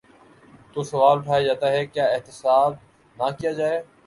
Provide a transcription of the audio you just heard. تو سوال اٹھایا جاتا ہے: کیا احتساب نہ کیا جائے؟